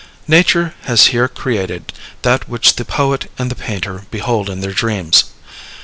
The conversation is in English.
Nature has here created that which the poet and the painter behold in their dreams.